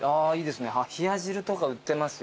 冷や汁とか売ってますよ。